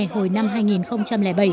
hồi năm hai nghìn bảy